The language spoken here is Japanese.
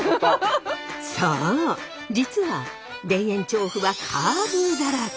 そう実は田園調布はカーブだらけ。